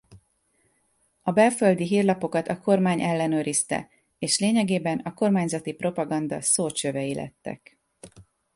A belföldi hírlapokat a kormány ellenőrizte és lényegében a kormányzati propaganda szócsövei lettek.